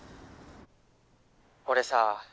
俺さ